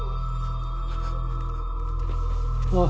おい